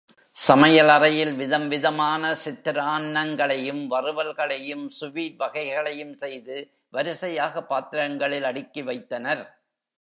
சமையல் அறையில் விதம் விதமான சித்ரான்னங்களையும், வறுவல்களையும், சுவீட் வகைகளையும் செய்து வரிசையாக பாத்திரங்களில் அடுக்கி வைத்தனர்.